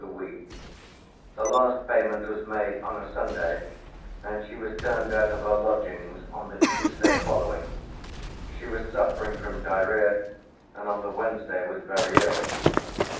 a week; the last payment was made on a Sunday, and she was turned out of her lodgings on the Tuesday following; she was suffering from diarrhoea, and on the Wednesday was very ill.